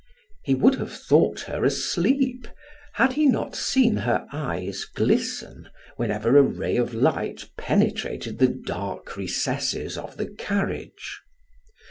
He would have thought her asleep, had he not seen her eyes glisten whenever a ray of light penetrated the dark recesses of the carriage.